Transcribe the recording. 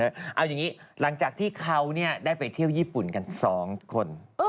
เอาอย่างนี้หลังจากที่เขาได้ไปเที่ยวญี่ปุ่นกัน๒คน